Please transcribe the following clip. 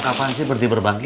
kamu kapan sih berdiri berbagi